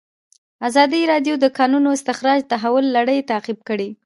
ازادي راډیو د د کانونو استخراج د تحول لړۍ تعقیب کړې.